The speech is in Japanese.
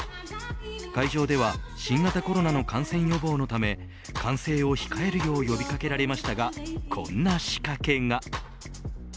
会場では新型コロナの感染予防のため歓声を控えるよう呼び掛けられましたがこんな仕掛けが。